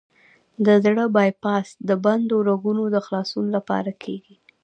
د زړه بای پاس د بندو رګونو د خلاصون لپاره کېږي.